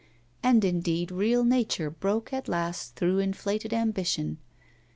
And indeed real nature broke at last through inflated ambition.